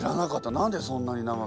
何でそんなに長く。